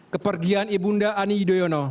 kepergian ibunda ani yudhoyono